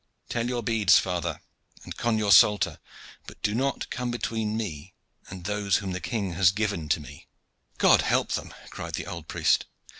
Tell your beads, father, and con your psalter, but do not come between me and those whom the king has given to me!" "God help them!" cried the old priest.